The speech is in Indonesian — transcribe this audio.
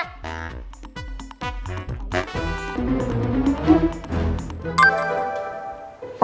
masa besok di kampus ya